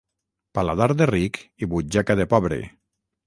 Paladar de ric i butxaca de pobre.